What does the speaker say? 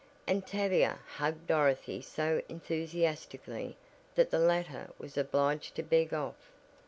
and Tavia hugged Dorothy so enthusiastically that the latter was obliged to beg off.